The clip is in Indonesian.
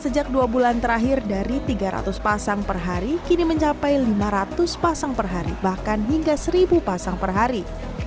sejak dua bulan terakhir dari tiga ratus pasang per hari kini mencapai lima ratus pasang per hari bahkan hingga seribu pasang per hari